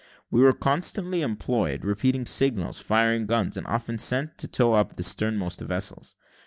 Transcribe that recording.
We were constantly employed repeating signals, firing guns, and often sent back to tow up the sternmost vessels.